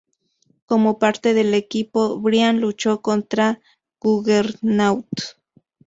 Como parte del equipo, Brian luchó contra Juggernaut.